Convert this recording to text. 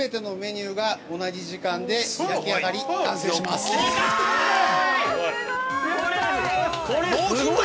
◆すごい。